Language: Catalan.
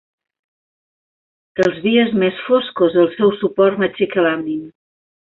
Als dies més foscos, el seu suport m'aixeca l'ànim.